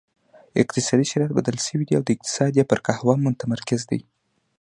اقتصادي شرایط بدل شوي وو او اقتصاد یې پر قهوه متمرکز شو.